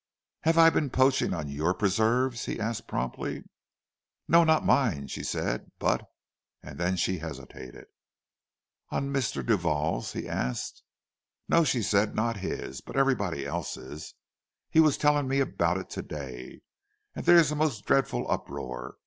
"Have I been poaching on your preserves?" he asked promptly. "No, not mine," she said, "but—" and then she hesitated. "On Mr. Duval's?" he asked. "No," she said, "not his—but everybody else's! He was telling me about it to day—there's a most dreadful uproar.